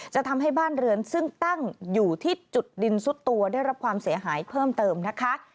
จะทำให้บ้านเรือนซึ่งตั้งอยู่ที่จุดดินซุดตัวได้รับความเสียหายเพิ่มเติมนะคะ